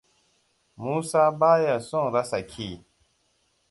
Musa ba ya son rasa ki.